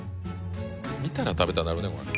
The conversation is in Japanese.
見たら食べたなるねこれ。